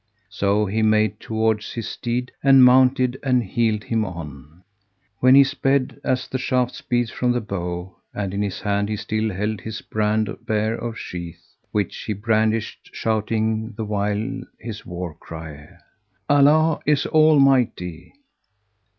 So he made towards his steed and mounted and heeled[FN#167] him on, when he sped as the shaft speeds from the bow and in his hand he still hent his brand bare of sheath, which he brandished shouting the while his war cry, "Allah is All mighty[FN#168]!"